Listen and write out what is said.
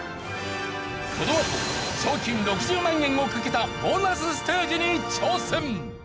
このあと賞金６０万円を懸けたボーナスステージに挑戦！